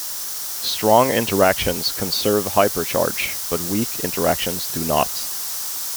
Strong interactions conserve hypercharge, but weak interactions do not.